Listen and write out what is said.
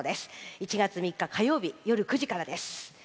１月３日火曜日夜９時からです。